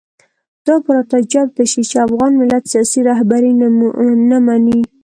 دا به راته جوته شي چې افغان ملت سیاسي رهبري نه مني.